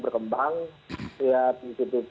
berkembang ya di tpp